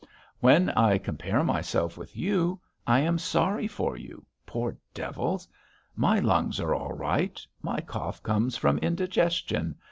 "When I compare myself with you, I am sorry for you ... poor devils. My lungs are all right; my cough comes from indigestion